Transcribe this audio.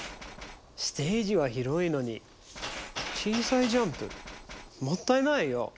ステージは広いのに小さいジャンプでもったいないよ。